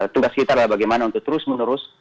tugas kita adalah bagaimana untuk terus menerus